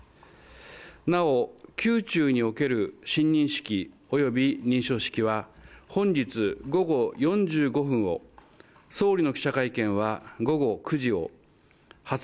なお、宮中における親任式及び認証式は本日午後４５分を、総理の記者会見は。